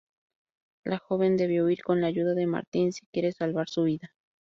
La joven debe huir con la ayuda de Martín si quiere salvar su vida.